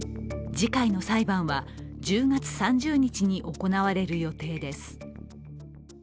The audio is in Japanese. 次回の裁判は１０月３０日に行われる予定です。